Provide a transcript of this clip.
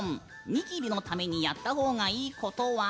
ニキビのためにやったほうがいいことは？